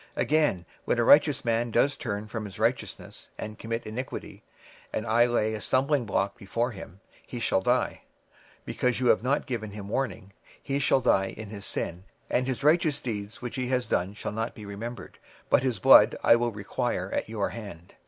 26:003:020 Again, When a righteous man doth turn from his righteousness, and commit iniquity, and I lay a stumbling block before him, he shall die: because thou hast not given him warning, he shall die in his sin, and his righteousness which he hath done shall not be remembered; but his blood will I require at thine hand.